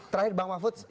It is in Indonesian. terakhir bang mahfud